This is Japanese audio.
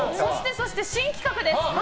そして、新企画です。